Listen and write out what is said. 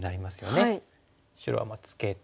白はツケて。